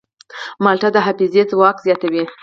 مالټه د حافظې ځواک زیاتوي.